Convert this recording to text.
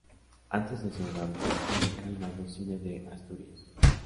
Antes de su rehabilitación era el mayor cine de Asturias.